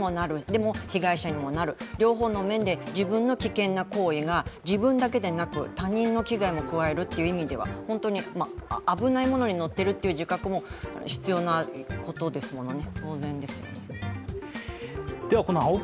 でも被害者にもなる、両方の面で自分の危険な行為が自分だけでなく、他人の危害も加えるという意味では本当に危ない物に乗っているという自覚も必要なことですからね。